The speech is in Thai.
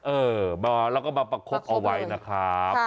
เออมาแล้วก็มาประคบเอาไว้นะครับ